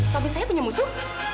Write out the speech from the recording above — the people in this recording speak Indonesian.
suami saya punya musuh